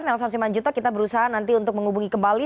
nelson simanjuta kita berusaha nanti untuk menghubungi kembali